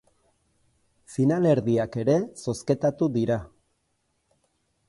Finalerdiak ere zozketatu dira.